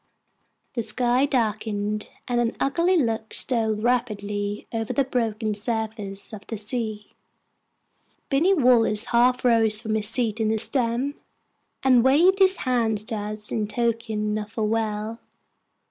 The sky darkened, and an ugly look stole rapidly over the broken surface of the sea. Binny Wallace half rose from his seat in the stem, and waved his hand to us in token of farewell.